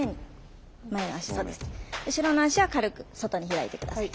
後ろの足は軽く外に開いて下さい。